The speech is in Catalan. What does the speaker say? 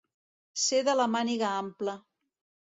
Ser de la màniga ampla.